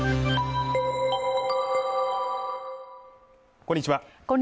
こんにちは